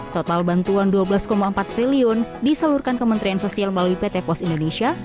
total bantuan rp dua belas empat triliun disalurkan kementerian sosial melalui pt pos indonesia